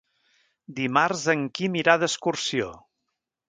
Dimarts en Quim irà d'excursió.